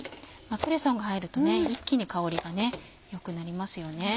クレソンが入ると一気に香りが良くなりますよね。